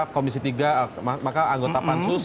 komisi tiga maka anggota pansus